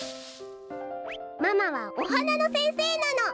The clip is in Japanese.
ママはおはなのせんせいなの。